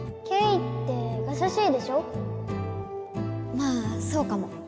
まあそうかも。